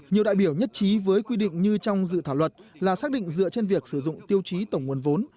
nhiều đại biểu nhất trí với quy định như trong dự thảo luật là xác định dựa trên việc sử dụng tiêu chí tổng nguồn vốn